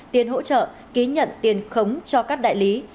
tiền hỗ trợ ký nhận tiền khống cho các đại lý